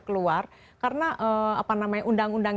keluar karena apa namanya undang undang